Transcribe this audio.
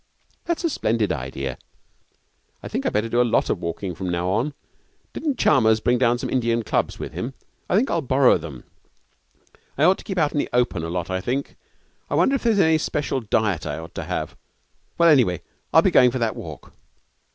'That's a splendid idea.' 'I think I'd better do a good lot of walking from now on. Didn't Chalmers bring down some Indian clubs with him? I think I'll borrow them. I ought to keep out in the open a lot, I think. I wonder if there's any special diet I ought to have. Well, anyway, I'll be going for that walk.'